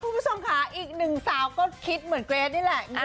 คุณผู้ชมค่ะอีกหนึ่งสาวก็คิดเหมือนเกรทนี่แหละ